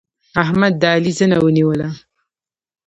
احمد د علي زنه ونيوله.